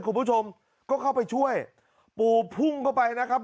คุณผู้ชมก็เข้าไปช่วยปู่พุ่งเข้าไปนะครับ